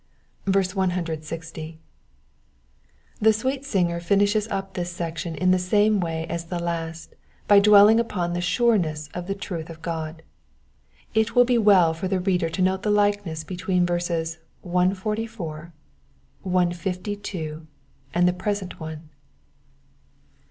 160. The sweet singer finishes up this section in the same way as the last by dwelling upon the sureness of the truth of God. It will be well for the reader to note the likeness between verses 144, 152, and the present one.